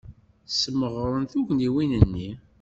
Smeɣren tugniwin-nni.